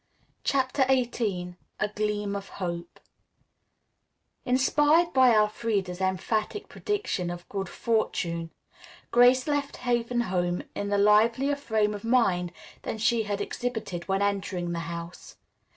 CHAPTER XVIII A GLEAM OF HOPE Inspirited by Elfreda's emphatic prediction of good fortune, Grace left Haven Home in a livelier frame of mind than she had exhibited when entering the house.